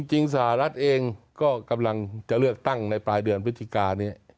สหรัฐเองก็กำลังจะเลือกตั้งในปลายเดือนพฤศจิกานี้